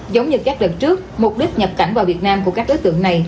giống như các lần trước mục đích nhập cảnh vào việt nam của các đối tượng này